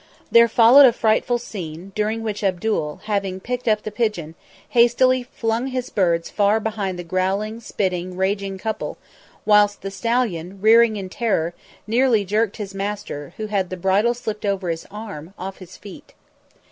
There followed a frightful scene, during which Abdul, having picked up the pigeon, hastily flung his birds far behind the growling, spitting, raging couple, whilst the stallion, rearing in terror, nearly jerked his master, who had the bridle slipped over his arm, off his feet.